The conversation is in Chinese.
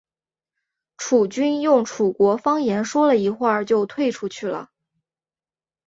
楚军用楚国方言说了一会就退出去了。